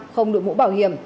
không được mũ bảo hiểm